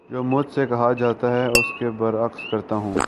جو مجھ سے کہا جاتا ہے اس کے بر عکس کرتا ہوں